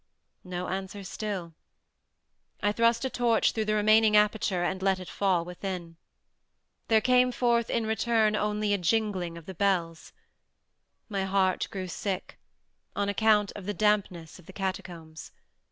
No answer still. I thrust a torch through the remaining aperture and let it fall within. There came forth in return only a jingling of the bells. My heart grew sick—on account of the dampness of the catacombs.